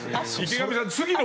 池上さん。